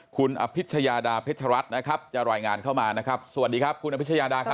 คุณอภิชยาดาเพชรัตน์นะครับจะรายงานเข้ามานะครับสวัสดีครับคุณอภิชยาดาครับ